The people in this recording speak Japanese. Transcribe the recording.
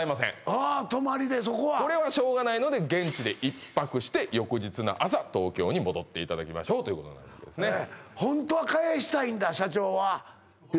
あ泊まりでそこはこれはしょうがないので現地で１泊して翌日の朝東京に戻っていただきましょうということになるわけですね